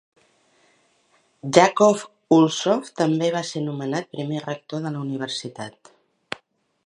Jakob Ulvsson també va ser nomenat primer rector de la universitat.